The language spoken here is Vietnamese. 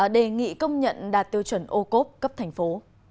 đề nghị công nhận đạt tiêu chuẩn ocope cấp thành phố